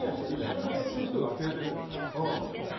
一緒にやってる人があきれてるんですから。